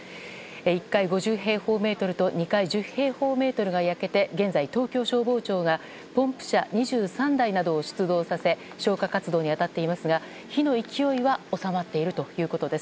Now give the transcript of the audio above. １階５０平方メートル２階１０平方メートルが焼けて現在、東京消防庁がポンプ車２３台などを出動させ消火活動に当たっていますが火の勢いは収まっているということです。